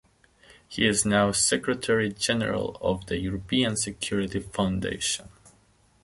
He is now Secretary General of the European Security Foundation.